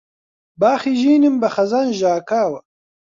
باخی ژینم بە خەزان ژاکاوە